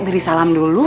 beri salam dulu